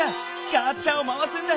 ガチャを回すんだ！